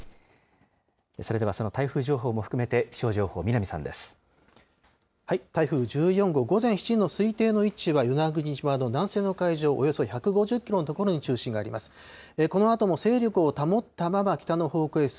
それではその台風情報も含めて、台風１４号、午前７時の推定の位置は与那国島の南西の海上およそ１５０キロの所に中心があります。